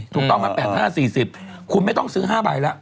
ถูกต้องไหม๘๕๔๐คุณไม่ต้องซื้อ๕ใบแล้ว